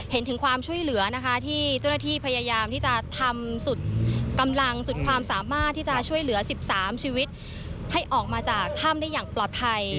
เห็นถึงความช่วยเหลือนะคะที่เจ้าหน้าที่พยายามที่จะทำสุดกำลังสุดความสามารถที่จะช่วยเหลือ๑๓ชีวิตให้ออกมาจากถ้ำได้อย่างปลอดภัย